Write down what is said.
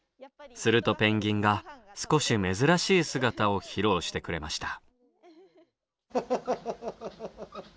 するとペンギンが少し珍しい姿を披露してくれました。